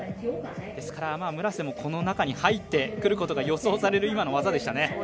ですから村瀬もこの中に入ってくることが予想される今の技でしたね。